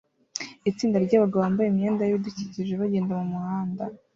Itsinda ryabagabo bambaye imyenda yibidukikije bagenda mumuhanda